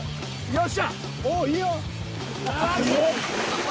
よっしゃ！